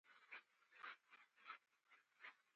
بازار ته لاړم او مېوې مې واخېستې.